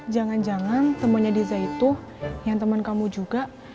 jangan jangan temennya diza itu yang temen kamu juga